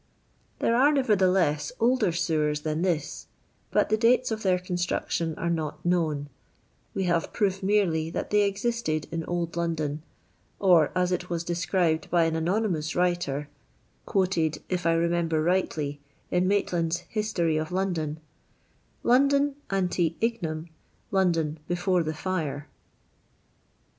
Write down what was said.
There are, nevertheless, older sewers than this, but the dates of their construction are not known ; we have proof merely that they existed in old London, or as it was described by an anonynwus writer (quoted, if I remember rightly, in Mait land's "History of London ), London "ante ignem'* — London before the fire.